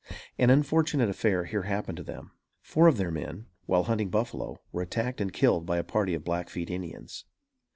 An unfortunate affair here happened to them. Four of their men, while hunting buffalo, were attacked and killed by a party of Blackfeet Indians.